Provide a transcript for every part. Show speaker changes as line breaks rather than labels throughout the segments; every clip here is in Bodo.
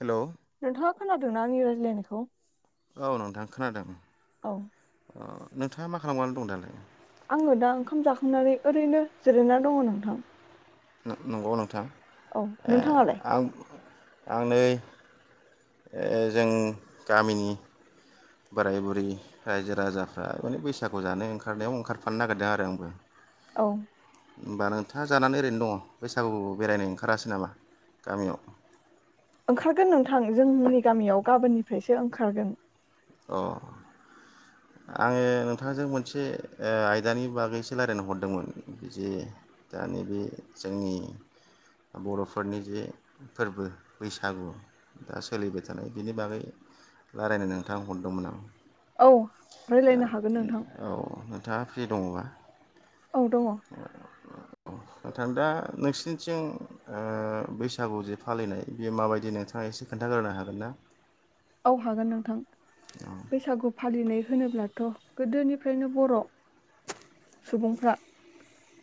हेलौ'
नोंथाङा खोनादोंना आंनि रायज्लायनायखौ
औ नोंथां खोनादों
औ
ओ नोंथाङा मा खालामनानै दं दालाय
आङो दा ओंखाम जाखांनानै ओरैनो जिरायना दङ नोंथां
नों नंगौ नोंथां
औ
ए
नोंथाङालाय
आं आं नै ओ जों गामिनि बोराय बुरै रायजो राजाफ्रा माने बैसागु जानो ओंखारनायाव ओंखारफानो नागिरदों आरो आंबो
औ
होमबा नोंथाङा जानानै ओरैनो दङ बैसागु बेरायनो ओंखारासै नामा गामियाव
ओंखारगोन नोंथां जोंनि गामियाव गाबोननिफ्रायसो ओंखारगोन
अ आङो नोंथांजों मोनसे आयदानि बागैसो रायजलायनो हरदोंमोन जे दा नैबे जोंनि ब'रफोरनि जे फोरबो बैसागु दा सोलिबाय थानाय बिनि बागै रायलायनो थां नोंथां हरदोंमोन आं
औ
दा
राय्लायनो हागोन नोंथां
औ नोंथाङा फ्रि दङब्ला अ
औ दङ
अ अ नोंथां दा नोंसिनि नोंसिनिथिं ओ बैसागु जि फालिनाय बेयो माबायदि नोंथाङा एसे खोन्थाग्रोनो हागोन ना?
औ हागोन नोंथां। बैसागु फालिनाय होनोब्लाथ' गोदोनिफ्रायनो बर' सुबुंफ्रा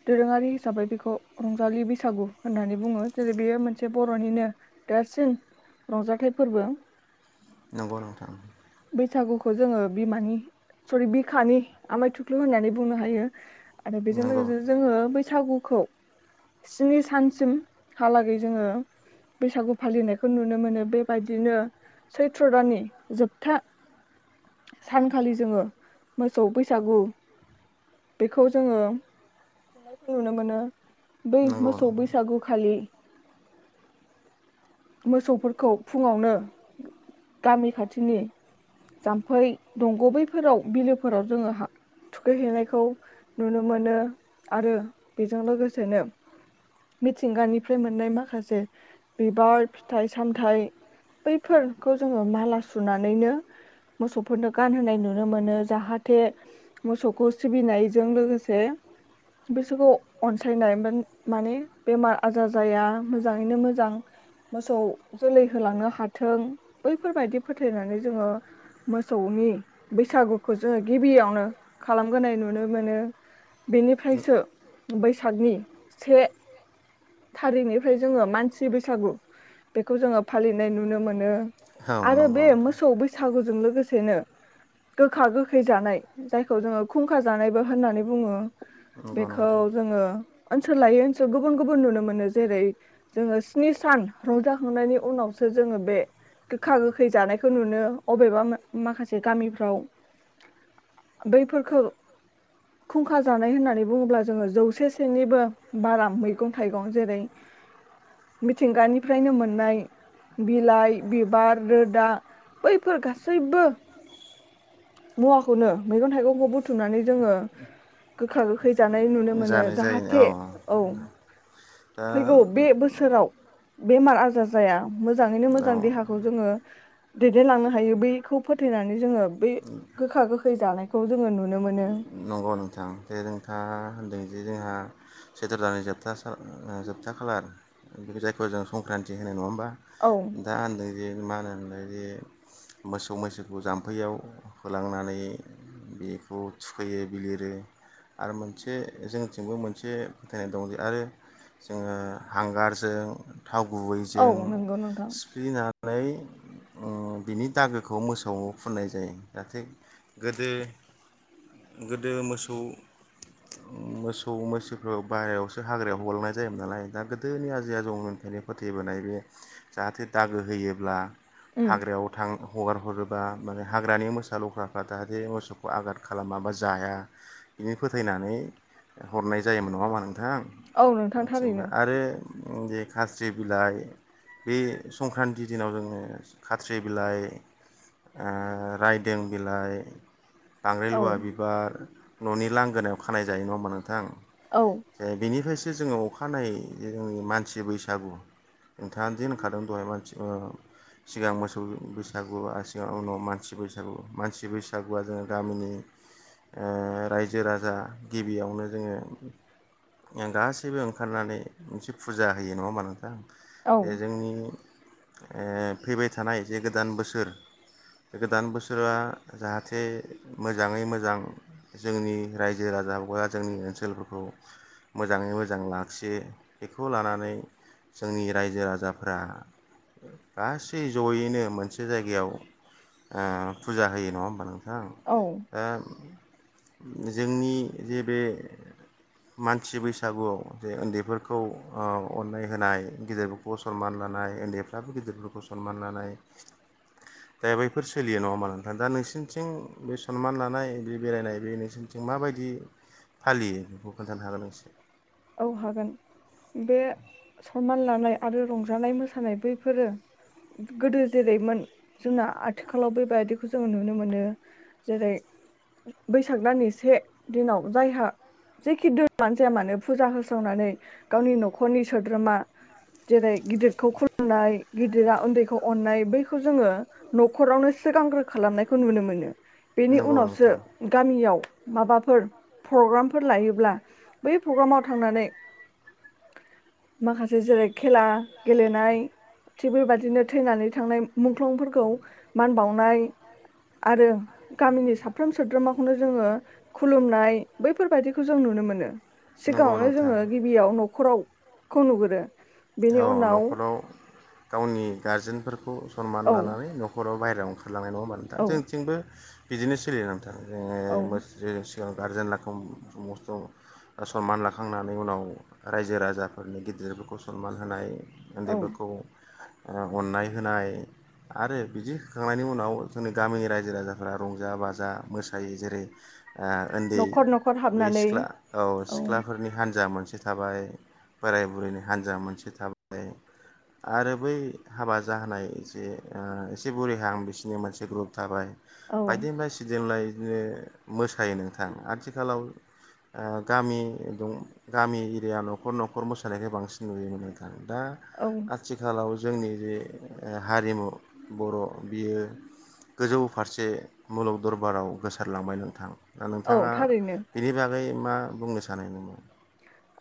दोरोङारि हिसाबै बेखौ रंजालि बैसागु होननानै बुङो जेरै बेयो मोनसे बर'निनो देरसिन रंजाथाइ फोरबो।
नंगौ नोंथां।
बैसागुखौ जोङो बिमानि सरि बिखानि आमाय थुख्लु होननानै बुंनो हायो। आरो बेजों
नंगौ
लोगोसे जोङो बैस बैसागुखौ स्नि सानसिम हालागै जोङो बैसागु फालिनायखौ नुनो मोनो बेबायदिनो सैथ्र दानानि जोबथा सानखालि जोङो मोसौ बैसागु बेखौ जोङो खुंनायखौ नुनो मोनो। बै
नंगौ औ
मोसौ बैसागुखालि मोसौफोरखौ फुङावनो गा गामि खाथिनि जाम्फै दंग' बैफोराव बिलोफोराव जोङो थुखैहैनायखौ नुनो मोनो आरो बेजों लोगोसेनो मिथिंगानिफ्राय मोननाय माखासे बिबार फिथाइ सामथाइ बैफोरखौ जोङो माला सुनानैनो मोसौफोरनो गानहोनाय नुनो मोनो जाहाथे मोसौखौ सिबिनायजों लोगोसे बिसोरखौ अनसायनाय मान माने बेमार आजार जाया मोजाङैनो मोजां मोसौ जोलै होलांनो हाथों बैफोरबायदि फोथायनानै जोङो मोसौनि बैसागुखौ जोङो गिबियावनो खालामग्रोनाय नुनो मोनो बेनिफ्रायसो बैसागनि से थारिखनिफ्राय जोङो मानसि बैसागु बेखौ जोङो फालिनाय नुनो मोनो। आरो
नंगौ
बे
नोंथां
मोसौ बैसागुजों लोगोसे सेनो गोखा गोखै जानाय जायखौ जोङो खुंखा जानायबो होननानै बुङो।
नंगौ
बेखौ
नोंथां
जोङो ओनसोल लायै ओनसोल गुबुन गुबुन नुनो मोनो जेरै जोङो स्नि सान रंजाखांनायनि उनावसो जोङो बे गोखा गोखै जानायखौ नुनो अबेबा माखासे गामिफ्राव बैफोरखौ खुंखा जानाय होननानै बुङोब्ला जोङो जौसे सेनिबो बारा मैगं थाइगं जेरै मिथिंगानि फ्रायनो मोननाय बिलाइ बिबार रोदा बैफोर गासैबो मुवाखौनो मैगं थाइगंखौ बुथुमनानै जोङो गोखा गोखै जानाय नुनो मोनो
जानाय जायो
जाहाथे औ फैगौ बे बोसोराव बेमार आजार जाया मोजाङैनो
दा
मोजां
औ
देहाखौ जोङो दैदेनलांनो हायो बैखौ फोथायनानै जोङो बै गोखा गोखै जानायखौ जोङो नुनो मोनो।
अ नोंथां दे नोंथाङा होनदों जे जोंहा सैथ्र दाननि जोबथा सान ओ जोबथा खालार जायखौ जों संक्रान्ति होनो नङा होमबा?
औ
दा उन्दै बे मा होनोमोनलाय बे मोसौ मैसोखौ जाम्फैयाव होलांनानै बेखौ थुखैयो। बिलिरो आरो मोनसे जोंनिथिंबो मोनसे फोथायनाय दं जे आरो जोङो हांगारजों थाव
औ
गुबैजों
नंगौ नोंथां
सिफ्लेनानै नै बिनि दागोखौ मोसौनो फुननाय जायो जाहाथे गोदो गोदो मोसौ मोसौ मैसोफोरखौ बाहेरायावसो हाग्रायाव हगारहरनाय जायोमोन नालाय दा गोदोनि आजै आजौनिफ्रायनो फोथायबोनाय बे जाहाथे दागो होयोब्ला
उम
हाग्रायाव थां हगार हरोबा माने हाग्रानि मोसा लख्राफ्रा जाहाथे मोसौखौ आगाद खालामा बा जाया बिदिनो फोथायनानै हरनाय जायोमोन नङा होनबा? नोंथां
औ नोंथां
माथिंबा
थारैनो
आरो ओ बे खाथ्रि बिलाइ बे संक्रान्ति दिनाव जोङो खाथ्रि बिलाइ आ राइदों बिलाइ
औ
आंद्रायलुवा बि बार न'नि लांगोनायाव खानाय जायो नङा होमबा नोंथां?
औ
जे बेनिफ्रायसो जे जोङो अखानायै जे जोंनि मानसि बैसागु नोंथाङानो जे होनखादों दहाय मानसि ओ सिगां मोसौ बै-बैसागु आ सिगां उनाव मानसि बैसागु मानसि बैसागुआ जोङो गामिनि ओ रायजो राजा गिबियावनो जोङो जों गासैबो ओंखारनानै मोनसे फुजा होयो नङा होनबा नोंथां?
औ
बे
औ
जोंनि ओ फैबाय थानाय जे गोदान बोसोर गोदान बोसोरा जाहाथे मो जाङै मोजां जोंनि रायजो राजा बा जोंनि ओनसोलफोरखौ मोजाङै मोजां लाखियो बेखौ लानानै जोंनि रायजो राजाफ्रा गासै ज'यैनो मोनसे जायगायाव ओ फुजा होयो नङा होनबा नों थां जोंनि जे बे मानसि बैसागुआव जे उन्दैफोरखौ ओ अननाय होनाय गिदिरफोरखौ सनमान लानाय उन्दैफ्राबो गिदिरफोरखौ सनमान लानाय दा बैफोर सोलियो नङा मा नोंथां दा नोंसिनिथिं बे स सनमान लानाय बे बेरायनाय बे नोंसोरनिथिं माबायदि फालियो बेखौ खोन्थानो हागोन नोंसो
औ हागोन, बे सनमान लानाय आरो रंजानाय मोसानाय बैफोरो गोदो जेरैमोन जोंना आथिखालाव बेबायदिखौ जोङो नुनो मोनो जेरै बैसाग दाननि से दिनाव जायहा जेखि दोलोआनो जाया मानो फुजा होसावनानै गावनि न'खरनि सोद्रोमा जेरै गिदिरखौ खुलुमनाय गिदिरा उन्दैखौ अननाय बैखौ जोङो न'खरावनो सिगांग्रो खालामनायखौ नुनो मोनो। बेनि
नंगौ
उनावसो
नोंथां
गामियाव माबाफोर फ्रग्रामफोर लायोब्ला बै फ्रग्रामाव थांनानै माखासे जेरै खेला गेलेनाय थिग बेबादिनो थैनानै थांनाय मु-मुंख्लंफोरखौ मान बाउनाय आरो गामिनि साफ्रोम सोद्रोमाखौनो जोङो खुलुमनाय बैफोरबादिखौ जों नुनो मोनो।
नंगौ
सिगाङावनो
नोंथां
जोङो गिबियाव न खराव खौ नुगोरो बेनि
औ
उनाव
न'खराव गावनि गारजेनफोरखौ स सनमान
औ
लानानै न'खर ख'राव बायेराव ओंखार लांनाय नङा होनबा नोंथां?
औ
जोंनिथिंबो बिदिनो सोलि ओं थां जोङो
औ
मोस्रिजों सु गारजेन [unintelligible] सनमान लाखांनानै उनाव रायजो राजाफोरनि गिदिरफोरखौ स सनमान होनाय
औ
उन्दैफोरखौ ओ अननाय होनाय आरो बिदि होखांनायनि उनाव जोंनि गामिनि रायजो राजाफोरा रंजा बाजा मोसायो जेरै आ उन्दै
न'खर न'खर
बे
हाबनानै
सिख्ला औ सिख्लाफोरनि हान्जा मोनसे था हाबाय बोराइ बुरैनो हान्जा मोनसे थाबाय आरो बै हाबा जाहानाय जे ओ एसे बुरिहां बिसोरनि मोनसे ग्रुप थाबाय।
औ
बायदेमलाय सिदेमलाय जे मोसायो नोंथां आथिखालाव ओ गामि दं गामि इरिया न'खर न'खर मोसानायखो बांसिन [unintelligible] दा
औ
आथिखालाव जोंनि जे ओ हारिमु बर' बियो गोजौ फारसे मुलुग दरबाराव गोसारलांबाय नोंथां। दा
औ
नोंथाङा
थारैनो
बेनि बाग ओमफ्राय मा बुंनो सानो नोङो?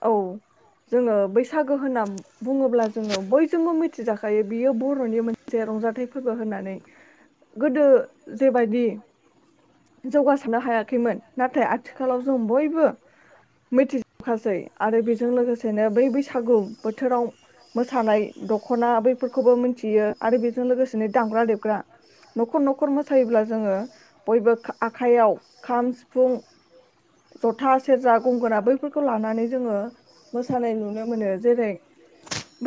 औ जोङो बैसागो होनना बुङोब्ला जोङो बयजोंबो मिथिजाखायो बियो बर'नि मोनसे रंजाथाइ फोरबो होननानै। गोदो जेबायदि जौगासारनो हायाखैमोन नाथाय आथिखालाव जों बयबो मिथि खासै आरो बेजों लोगोसेनो बै बैसागु बोथोराव मोसानाय दख'ना बैफोरखौबो मिथियो आरो बेजों लोगोसेनो दामग्रा देबग्रा न'खर न'खर मोसायोब्ला जोङो बयबो खा-आखाइयाव खाम, सिफुं जथा, सेरजा, गंगोना बैफोरखौ लानानै जोङो मोसानाय नुनो मोनो जेरै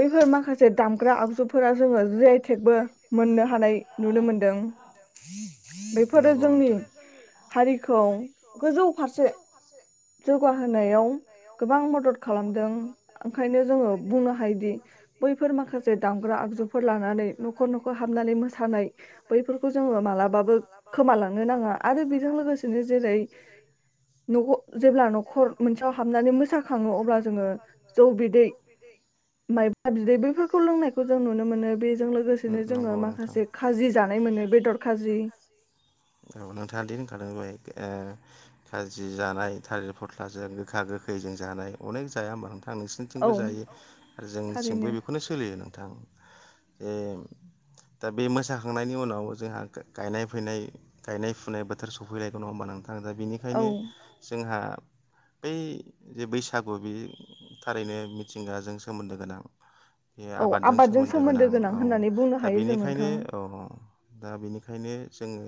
बैफोर माखासे दामग्रा आगजुफोरा जोङो जे आइ टेकबो मोननो हानाय नुनो मोनदों। बेफोरो जोंनि हारिखौ गोजौ फारसे जौगाहोनायाव गोबां मद द खालामदों। ओंखायनो जोङो बुंनो हायोदि बैफोर माखासे दामग्रा आगजुफोर लानानै न'खर न'खर हाबनानै मोसानाय बैफोरखौ जोङो मालाबाबो खोमालांनो नाङा आरो बेजों लोगोसेनो जेरै न'ख जेब्ला न'खर मोनसेयाव हाबनानै मोसाखाङो अब्ला जोङो जौ बिदै मायब्रा बिदै बोफोरखौ लोंनायखौ जों नुनो मोनो बेजों लोगोसेनो जोङो
नंगौ नोंथां
माखासे खाजि जानाय मोनो बेदर खाजि।
औ नोंथाङा दि होनखादों दहाय ओ खाजि जानाय थालिर फस्लाजों गोखा गोखैजों जानाय। अनेक जाया होनबा नोथा थां नोंसोरनिथिंबो
औ
जायो आरो जोंनिथिंबो
थारैनो
बेखौनो सोलियो नों थां जे दा बे मोसाखांनायनि उनाव जोंहा गा-गायनाय फैनाय गायनाय-फुनाय बोथोर सफैलायगौ नङा होनबा नों थां दा
औ
बेनिखायनो जोंहा बै जे बै सागु बे थारैनो मिथिंगाजों सोमोन्दो गोनां। बे
औ
आबादजों सोमोन्दो गोनां औ
होननानै बुंनो
दा
हायो जों
बेनिखायनो
नोंथां
औ औ दा बेनिखायनो जोङो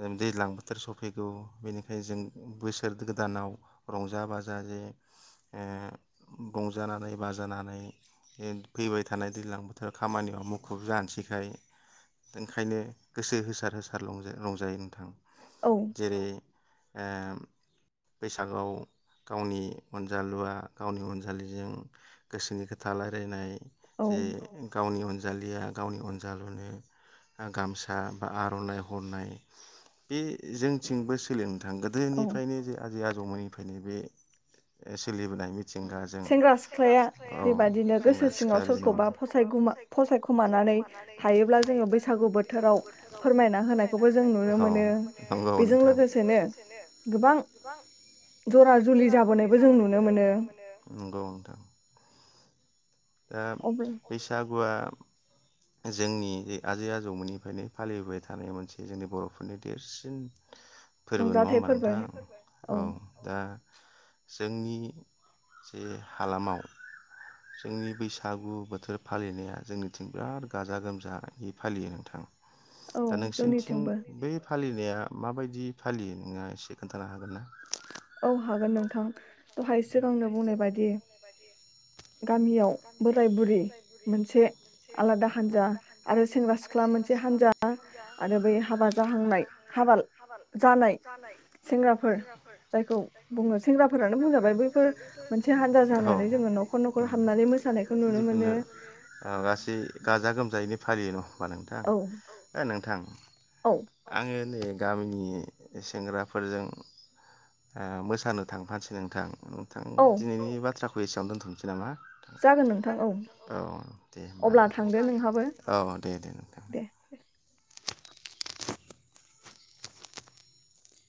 ओ दैज्लां बोथोर सफैगौ। बेनिखायनो जों बोसोर गोदानाव रंजा बाजा जे ओ रंजानानै-बाजानानै बे फैबाय थानाय दैज्लां बोथोराव खामानियाव मुखुब जानोसैखाय ओंखायनो गोसो होसार होसार रंजा-रंजायो नोंथां।
औ
जेरै बैसागाव गावनि अनजालुआ गावनि अनजालिजों गोसोनि खोथा रायलायनाय
औ
जे गावनि अन जालिया गावनि अनजालुनो गामसा बा आर'नाइ हरनाय बे जोंथिंबो सोलियो नों थां।
औ
गोदोनिफ्रायनो जे आजै-आजौमोननि फ्रायनाय बे सोलिबोनाय मि गाजों सेंग्रा सिख्लाया औ सेंग्रा सिख्ला बिदिनो सोरखौबा सोरखौबा फसायखुमा फसायखुमानानै थायोब्ला जोङो बैसागु बोथोराव फोरमायना होनायखौबो जों नुनो मोनो। बेजों लोगोसेनो गोबां जरा जुलि जाबोनायबो जों नुनो मोनो। नोंखौ नोंथां। दा
अब्ला
बैसागुआ जोंनि आजै आजौमोननिफ्रायनो फालिबोबाय थानाय मोनसे जोंनि बर'फोरनि देरसिन फोरबो नङा
रंजाथाइ
होमबा
फोरबो
नोंथां। औ दा जोंनि जे हालामाव जोंनि बैसागु बोथोर फालिनाया जोंनिथिं बिराद गाजा गोमजायै फालियो नोंथां
औ
दा नोंसिनिथिं
जोंनिथिंबो
बै फालिनाया माबायदि फालियो नोङा एसे खोन्थानो हागोन ना
औ हागोन नोंथां दहाय सिगांनो बुंनाय बायदि गामियाव बोराय बुरि मोनसे आलादा हानजा आरो सेंग्रा सिख्ला मोनसे हानजा आरो बै हाबा जाहांनाय हाबा जानाय सेंग्राफोर। जायखौ बुङो सेंग्राफोरानो बुंजाबाय बैफोर मोनसे हान्जा
औ
जानानै जोङो नखर नखर हाबनानै मोसानायखौ नु
जिखुनु औ गासै गाजा गोमजायैनो फालियो न' होनबा नोंथां
औ
औ ओ नोंथां
औ
आङो नै गामिनि सेंग्राफोरजों ओ मोसानो थांफानोसै नोंथां। नोंथां
औ
दिनैनि बाथ्राखौ एसावनो दोनथसै नामा?
जागोन नों
औ दे
थांदो नोंहाबो
होमबा औ दे दे नोंथां।